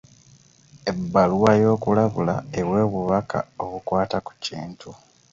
Ebbaluwa y'okulabula ewa obubaka obukwata ku kintu.